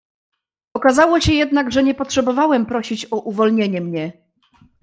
"Okazało się jednak, że nie potrzebowałem prosić o uwolnienie mnie."